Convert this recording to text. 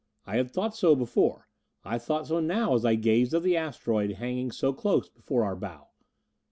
I had thought so before; and I thought so now as I gazed at the asteroid hanging so close before our bow.